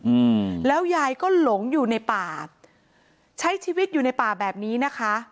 อืมแล้วยายก็หลงอยู่ในป่าใช้ชีวิตอยู่ในป่าแบบนี้นะคะ